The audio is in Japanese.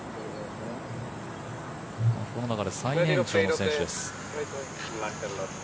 この中で最年長の選手です。